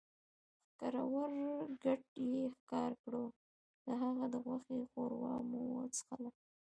ښکرور ګډ ئې ښکار کړو، د هغه د غوښې ښوروا مو وڅښله